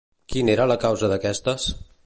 Quina era la causa d'aquestes?